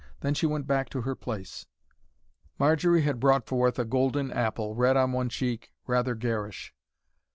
Then she went back to her place. Marjory had brought forth a golden apple, red on one cheek, rather garish.